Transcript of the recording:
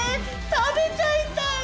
食べちゃいたい！